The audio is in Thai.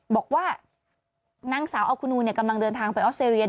บอกว่านางสาวอัลคูนูกำลังเดินทางไปออสเตรเลีย